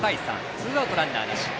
ツーアウト、ランナーなし。